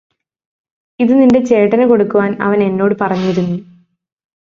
ഇത് നിന്റെ ചേട്ടന് കൊടുക്കുവാൻ അവൻ എന്നോട് പറഞ്ഞിരുന്നു